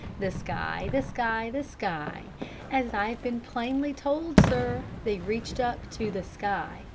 The sky, the sky, the sky; As I've been plainly told, sir, they reached up to the sky.